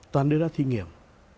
toàn đưa ra thử nghiệm